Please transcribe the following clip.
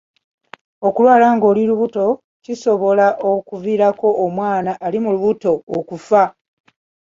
Okulwala ng'oli lubuto kisobola okuviirako omwana ali mu lubuto okufa.